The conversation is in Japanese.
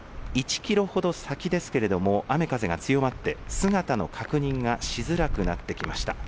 １キロほど先ですけれども雨風が強まって姿の確認がしづらくなってきました。